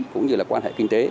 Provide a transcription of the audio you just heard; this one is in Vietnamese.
cũng như là quan hệ kinh tế